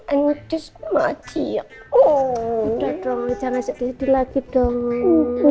udah dong jangan sedih sedih lagi dong